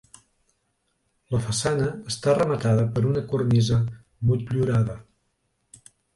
La façana està rematada per una cornisa motllurada.